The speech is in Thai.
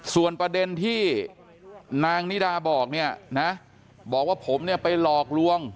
ส่วนประเด็นที่นางนิดาบอกเนี่ยผมไปลอกลวง